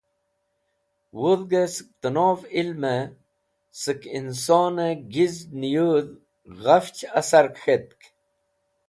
Wudhgẽ sẽk tẽnov ilmẽ sẽk insonẽ gizẽn nẽyũdh ghafch asar k̃hetk.